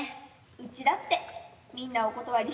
うちだってみんなお断りしてるんだし。